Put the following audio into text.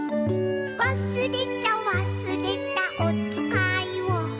「わすれたわすれたおつかいを」